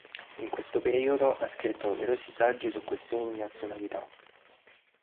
In questo periodo ha scritto numerosi saggi su questioni di nazionalità.